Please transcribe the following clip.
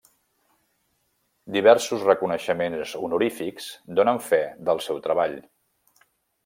Diversos reconeixements honorífics, donen fe del seu treball.